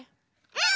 うん！